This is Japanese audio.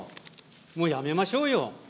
もうやめましょうよ。